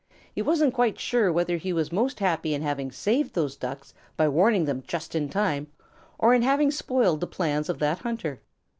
He wasn't quite sure whether he was most happy in having saved those Ducks by warning them just in time, or in having spoiled the plans of that hunter.